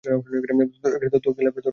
তোর কী লাগবে?